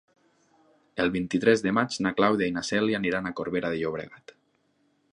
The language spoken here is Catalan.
El vint-i-tres de maig na Clàudia i na Cèlia aniran a Corbera de Llobregat.